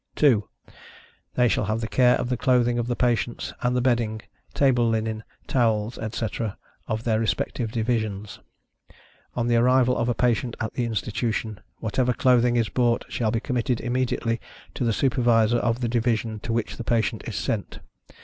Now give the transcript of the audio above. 2. They shall have the care of the clothing of the patients, and the bedding, table linen, towels, etc., of their respective divisions. On the arrival of a patient at the Institution, whatever clothing is brought shall be committed immediately to the Supervisor of the division to which the patient is sent.